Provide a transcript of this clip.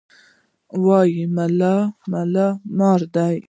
وې ملا ملا مار دی.